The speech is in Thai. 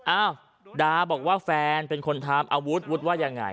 อ้าวดาบอกว่าแฟนเป็นคนทำอาวุธวุฒิว่ายังไง